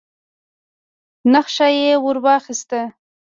نخشه يې ور واخيسه.